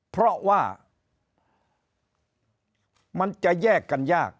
เพราะว่ามันจะแยกกันยาก